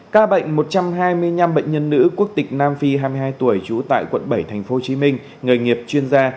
ca bệnh một trăm hai mươi năm bệnh nhân nữ quốc tịch nam phi hai mươi hai tuổi trú tại quận bảy tp hcm nghề nghiệp chuyên gia